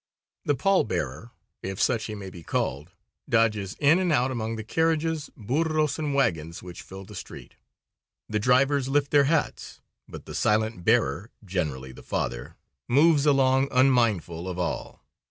The pall bearer, if such he may be called, dodges in and out among the carriages, burros and wagons, which fill the street. The drivers lift their hats, but the silent bearer generally the father moves along unmindful of all.